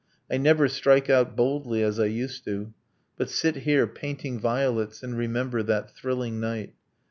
I never strike out boldly as I used to But sit here, painting violets, and remember That thrilling night.